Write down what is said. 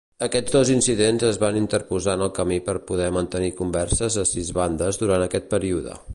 Aquests dos incidents es van interposar en el camí de poder mantenir converses a sis bandes durant aquest període.